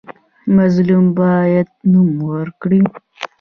مظلوم باید نوم ورکړي.